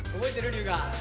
龍我。